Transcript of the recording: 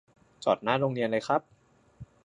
จอดหน้าโรงเรียนเลยครับ